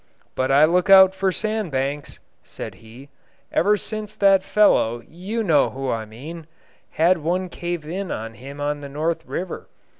"But I look out for sand banks," said he, "ever since that fellow you know who I mean had one cave in on him in the North River.